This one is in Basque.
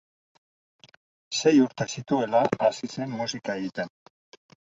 Sei urte zituela hasi zen musika egiten.